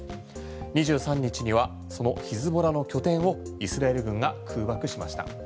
２３日にはそのヒズボラの拠点をイスラエル軍が空爆しました。